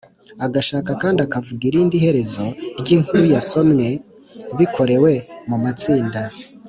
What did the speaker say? agashaka kandi akavuga irindi herezo ry’inkuru yasomwe bikorewe mu matsinda;